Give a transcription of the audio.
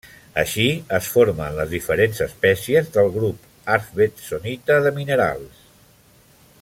Així, es formen les diferents espècies del grup arfvedsonita de minerals.